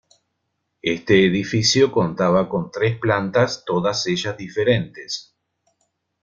Este edificio contaba con tres plantas todas ellas diferentes.